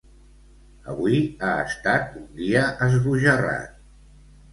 Avui ha estat un dia esbojarrat.